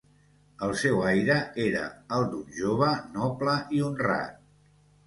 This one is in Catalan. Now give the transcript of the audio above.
el seu aire era el d'un jove noble i honrat